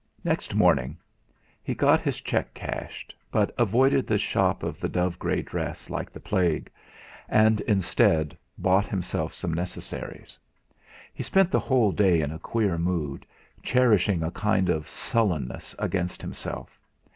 Next morning he got his cheque cashed, but avoided the shop of the dove grey dress like the plague; and, instead, bought himself some necessaries. He spent the whole day in a queer mood, cherishing a kind of sullenness against himself.